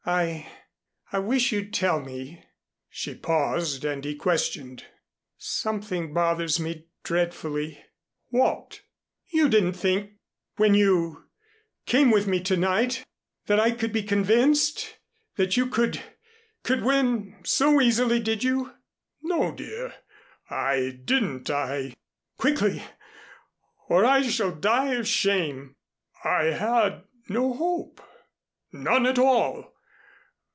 "I I wish you'd tell me " She paused and he questioned. "Something bothers me dreadfully." "What?" "You didn't think when you came with me to night that I could be convinced that you could could win so easily, did you?" "No, dear. I didn't I " "Quickly or I shall die of shame." "I had no hope none at all.